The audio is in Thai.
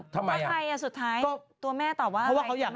ทำไมอะถ้าสุดท้ายตัวแม่ตอบว่าอะไรเหมือนแม่มาแล้ว